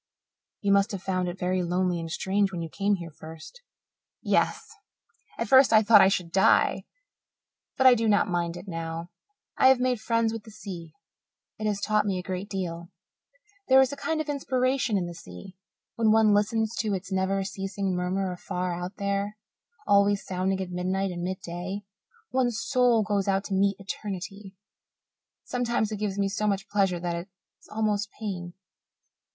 "You must have found it very lonely and strange when you came here first." "Yes. At first I thought I should die but I do not mind it now. I have made friends with the sea; it has taught me a great deal. There is a kind of inspiration in the sea. When one listens to its never ceasing murmur afar out there, always sounding at midnight and midday, one's soul goes out to meet Eternity. Sometimes it gives me so much pleasure that it is almost pain."